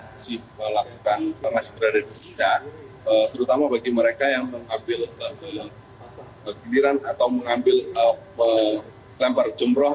masih melakukan masih berada di sekitar terutama bagi mereka yang mengambil giliran atau mengambil lempar jumroh